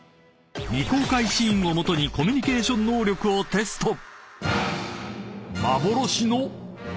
［未公開シーンを基にコミュニケーション能力をテスト］